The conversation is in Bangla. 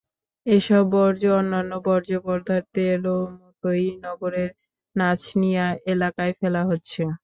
এসব বর্জ্য অন্যান্য বর্জ্য পদার্থের মতোই নগরের নাচনিয়া এলাকায় ফেলা হচ্ছে।